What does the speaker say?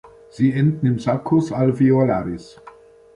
Sie enden im "Saccus alveolaris".